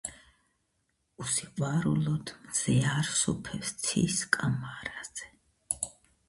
Ni w'uchokwa ghwaw'emduka.